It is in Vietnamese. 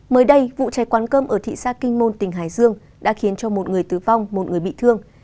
mới đây vụ cháy quán cơm ở thị xã kinh môn tỉnh hải dương đã khiến cho một người tử vong một người bị thương